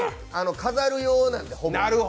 飾る用なんで。